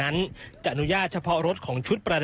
อันนี้คือเต็มร้อยเปอร์เซ็นต์แล้วนะครับ